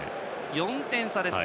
４点差です。